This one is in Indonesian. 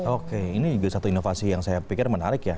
oke ini juga satu inovasi yang saya pikir menarik ya